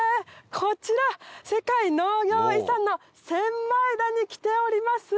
こちら世界農業遺産の千枚田に来ております。